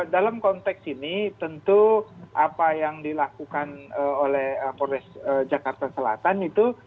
dalam konteks ini tentu apa yang dilakukan oleh polres jakarta selatan itu